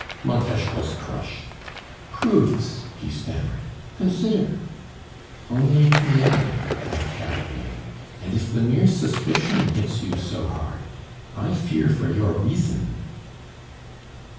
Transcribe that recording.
Montes was crushed. "Proofs," he stammered, "consider " "Only too many," replied Carabine; "and if the mere suspicion hits you so hard, I fear for your reason."